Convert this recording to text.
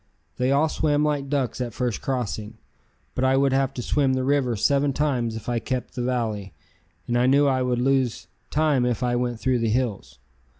They all swam like ducks at first crossing, but I would have to swim the river seven times if I kept the valley, and knew I would lose time if I went through the hills.